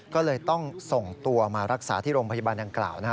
ก็เลยต้องส่งตัวมารักษาที่โรงพยาบาลดังกล่าวนะฮะ